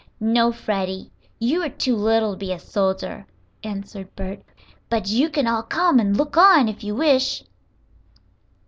"No, Freddie, you are too little to be a soldier," answered Bert. "But you can all come and look on, if you wish."